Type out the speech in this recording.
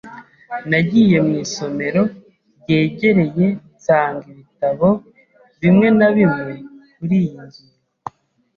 Nagiye mu isomero ryegereye nsanga ibitabo bimwe na bimwe kuriyi ngingo.